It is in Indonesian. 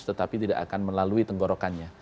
tetapi tidak akan melalui tenggorokannya